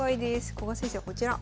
古賀先生はこちら。